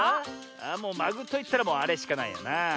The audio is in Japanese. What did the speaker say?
もう「まぐ」といったらもうあれしかないよな。